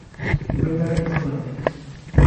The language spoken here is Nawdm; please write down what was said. Gbena risung.